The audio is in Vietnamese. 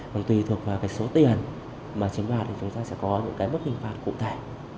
và tùy thuộc vào cái số tiền mà chiếm đoạt thì chúng ta sẽ có những cái mức hình phạt cụ thể